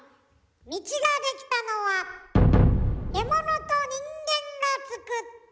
道ができたのは獣と人間がつくった。